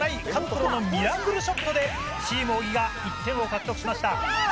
プロのミラクルショットでチーム小木が１点を獲得しました。